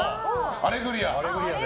「アレグリア」。